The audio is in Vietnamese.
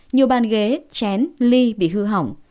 nhiều bàn ghế chén ly bị hư hỏng